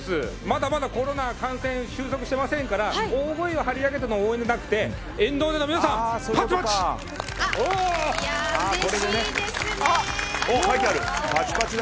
まだまだコロナの感染は収束していませんから大声を張り上げての応援ではなくて沿道での皆さんのパチパチ！